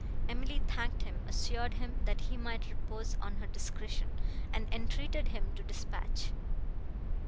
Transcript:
— Emily thanked him, assured him that he might repose on her discretion, and entreated him to dispatch.